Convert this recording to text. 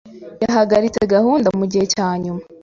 Yahagaritse gahunda mugihe cyanyuma.